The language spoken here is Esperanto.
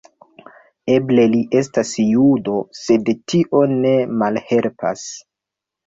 Eble li estas judo, sed tio ne malhelpas.